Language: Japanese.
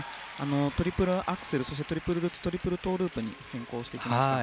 トリプルアクセルトリプルルッツトリプルトウループに変更してきました。